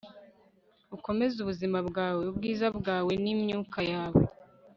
ukomeze ubuzima bwawe, ubwiza bwawe n'imyuka yawe